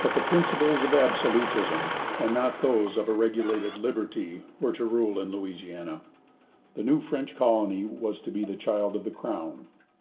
But the principles of absolutism, and not those of a regulated liberty, were to rule in Louisiana. The new French colony was to be the child of the Crown.